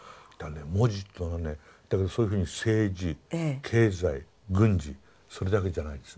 文字っていうのはねだけどそういうふうに政治経済軍事それだけじゃないんですね。